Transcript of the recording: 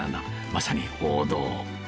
まさに王道。